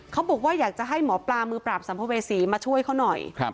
เขาบอกว่าอยากจะให้หมอปลามือปราบสัมภเวษีมาช่วยเขาหน่อย